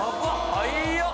早っ。